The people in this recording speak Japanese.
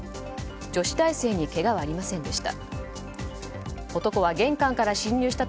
女子大生にけがはありませんでした。